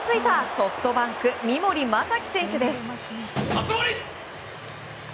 ソフトバンク三森大貴選手です。